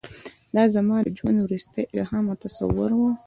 دا زما د ژوند وروستی الهام او تصور و.